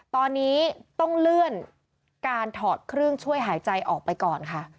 ตอนนี้ต้องเลื่อนการถอดเครื่องช่วยหายใจออกไปก่อนค่ะ